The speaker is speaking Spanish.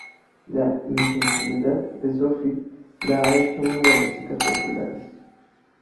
La insensibilidad de Sophie la ha hecho una de las chicas populares.